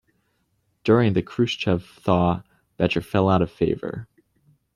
During the Khrushchev Thaw, Becher fell out of favor.